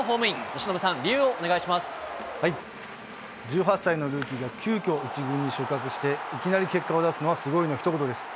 由伸さん、１８歳のルーキーが急きょ、１軍に昇格して、いきなり結果を出すのは、すごいのひと言です。